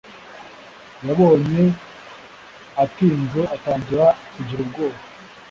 yabonye atinze atangira kugira ubwoba